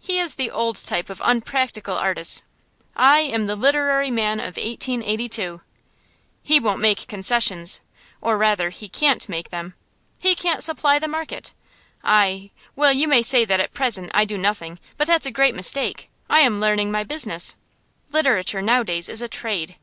He is the old type of unpractical artist; I am the literary man of 1882. He won't make concessions, or rather, he can't make them; he can't supply the market. I well, you may say that at present I do nothing; but that's a great mistake, I am learning my business. Literature nowadays is a trade.